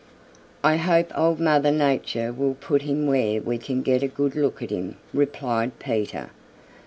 "I hope Old Mother Nature will put him where we can get a good look at him," replied Peter.